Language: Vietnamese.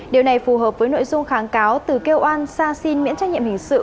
điều này phù hợp với nội dung kháng cáo từ kêu an sa xin miễn trách nhiệm hình sự